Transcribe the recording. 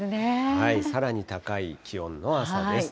さらに高い気温の朝です。